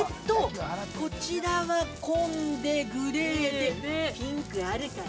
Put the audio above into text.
こちらは紺で、グレーで、ピンクあるかな。